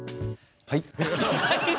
はい？